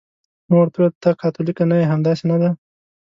ما ورته وویل: ته کاتولیکه نه یې، همداسې نه ده؟